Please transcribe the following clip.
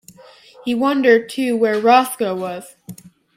He wondered, too, where Roscoe was.